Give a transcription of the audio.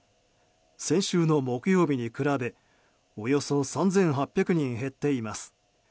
先週の木曜日に比べおよそ３８００人減っています。